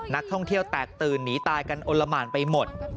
นักท่องเที่ยวแตกตื่นหนีตายกันอลละหมานไปหมด